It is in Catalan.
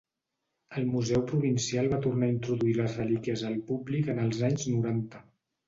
El museu provincial va tornar a introduir les relíquies al públic en els anys noranta.